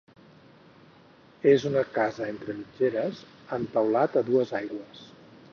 És una casa entre mitgeres amb teulat a dues aigües.